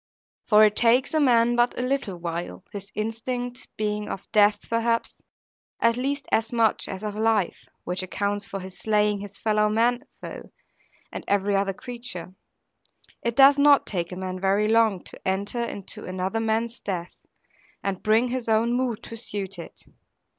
For it takes a man but a little while, his instinct being of death perhaps, at least as much as of life (which accounts for his slaying his fellow men so, and every other creature), it does not take a man very long to enter into another man's death, and bring his own mood to suit it.